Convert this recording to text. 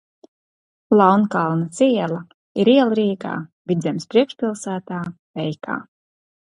Launkalnes iela ir iela Rīgā, Vidzemes priekšpilsētā, Teikā.